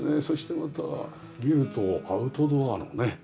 そしてまた見るとアウトドアのね。